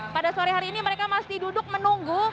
pada sore hari ini mereka masih duduk menunggu